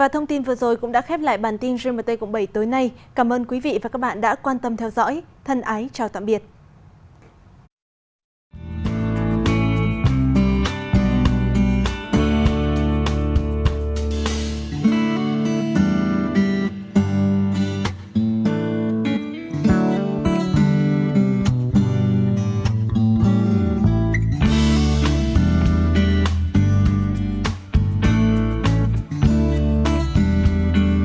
tổ chức y tế thế giới cũng cảnh báo khi triển vọng sớm có được vắc xin ngờ